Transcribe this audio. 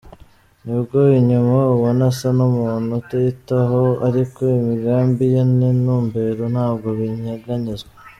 Nubwo inyuma ubona asa n’umuntu utiyitaho ariko imigambi ye n’intumbero ntabwo binyeganyezwa.